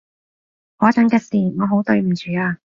嗰陣嘅事，我好對唔住啊